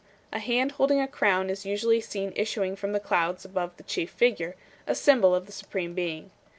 A hand holding a crown is usually seen issuing from the clouds above the chief figure, a symbol of the Supreme Being.